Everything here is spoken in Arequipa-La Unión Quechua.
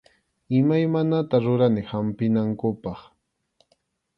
Imaymanata rurani hampinankupaq.